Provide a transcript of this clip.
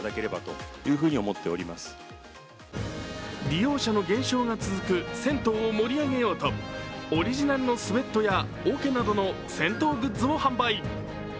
利用者の減少が続く銭湯を盛り上げようとオリジナルのスウェットやおけなどの銭湯グッズを販売。